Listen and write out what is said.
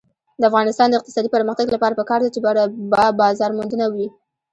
د افغانستان د اقتصادي پرمختګ لپاره پکار ده چې بازارموندنه وي.